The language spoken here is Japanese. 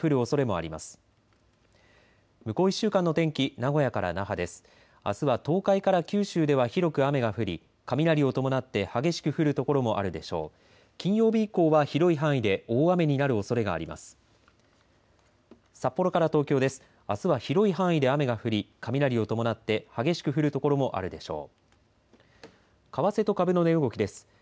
あすは東海から九州では広く雨が降り雷を伴って激しく降る所もあるでしょう。